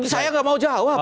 saya nggak mau jawab